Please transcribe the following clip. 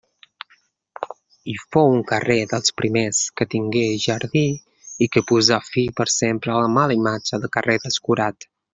I fou un carrer dels primers que tingué jardí i que posà fi per sempre a la mala imatge de carrer descurat.